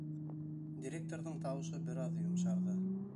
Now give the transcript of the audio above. Директорҙың тауышы бер аҙ йомшарҙы: